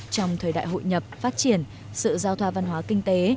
trong thời đại hội nhập phát triển sự giao thoa văn hóa kinh tế